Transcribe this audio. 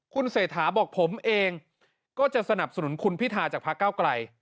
คุณเศรษฐาบอกผมเองก็จะสนับสนุนคุณพิธาจากพระเก้าไกล